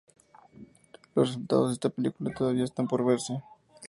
Los resultados de esta película todavía están por verse.